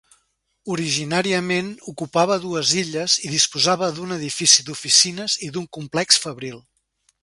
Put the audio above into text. Originàriament ocupava dues illes i disposava d’un edifici d’oficines i d’un complex fabril.